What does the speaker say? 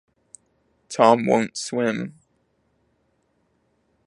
Tom won't swim.